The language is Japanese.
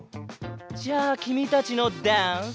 じゃあきみたちのダンス。